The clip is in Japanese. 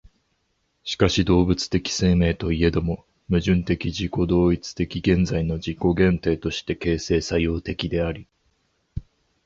しかし動物的生命といえども、矛盾的自己同一的現在の自己限定として形成作用的であり、